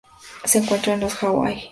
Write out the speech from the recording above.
Se encuentra en las Hawai.